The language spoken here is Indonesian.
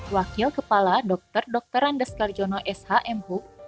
wakil kepala dr dr andes karjono sh m huk